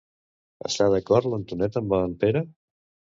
Està d'acord l'Antonet amb en Pere?